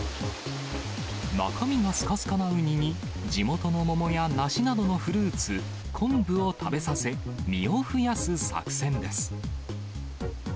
中身がすかすかなウニに、地元の桃や梨などのフルーツ、昆布を食べさせ、身を増やす作戦です。